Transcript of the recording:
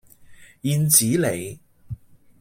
燕子里